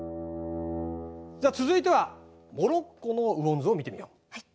じゃあ続いてはモロッコの雨温図を見てみよう。